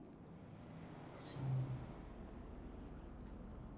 It is administered and owned by the Executive Yuan of Taiwan.